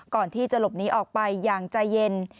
ก่อนที่จะหลบหนีออกไปอย่างใจเย็น